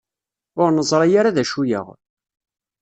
Ur neẓri ara d acu-yaɣ.